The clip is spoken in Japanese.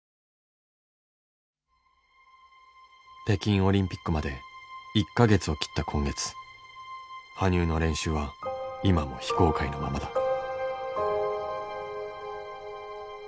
北京オリンピックまで１か月を切った今月羽生の練習は今も非公開のままだ。